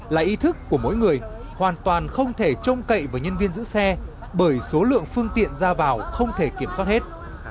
là ý thức của mỗi người hoàn toàn không thể trông cậy vào nhân viên giữ xe bởi số lượng phương tiện ra vào không thể kiểm soát hết